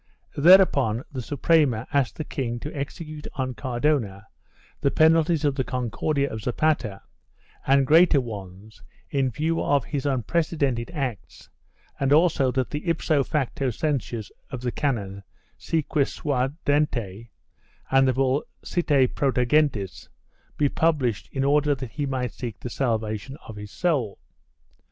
Thereupon the Suprema asked the king to execute on Cardona the penalties of the Concordia of Zapata and greater ones in 'view of his unprecedented acts and also that the ipso facto censures of the canon Si quis suadente and the bull Si de protegendis be published in order that he might seek the salvation of his soul.